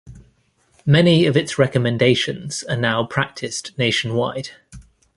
Many of its recommendations are now practiced nationwide.